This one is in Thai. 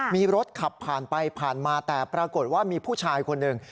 มีรถขับผ่านไปผ่านมาแต่ปรากฏว่ามีผู้ชายคนหนึ่ง